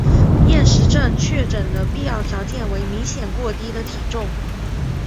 厌食症确诊的必要条件为明显过低的体重。